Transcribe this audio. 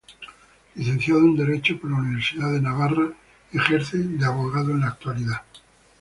Licenciado en Derecho por la Universidad de Navarra, ejerce de abogado en la actualidad.